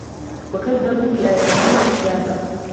وَكَذَّبوا بِآياتِنا كِذّابًا